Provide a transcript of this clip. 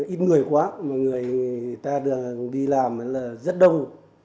ít người quá mà người ta được đi làm là rất đông